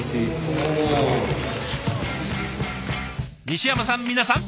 西山さん